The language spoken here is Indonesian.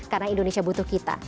karena indonesia butuh kita